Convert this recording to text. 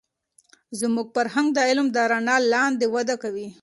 زموږ فرهنگ د علم د رڼا لاندې وده کوي.